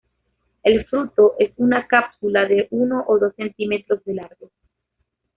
El fruto es una cápsula de uno o dos centímetros de largo.